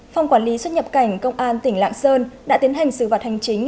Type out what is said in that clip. phòng quản lý xuất nhập cảnh công an tỉnh lạng sơn đã tiến hành xử phạt hành chính